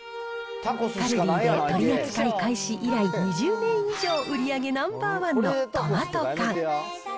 カルディで取り扱い開始以来、２０年以上売り上げナンバー１のトマト缶。